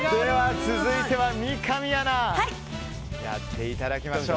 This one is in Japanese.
続いては三上アナやっていただきましょう。